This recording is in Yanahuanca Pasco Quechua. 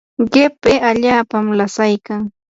qipi allaapam lasaykan.